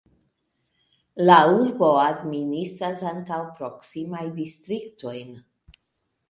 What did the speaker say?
La urbo administras ankaŭ proksimajn distriktojn.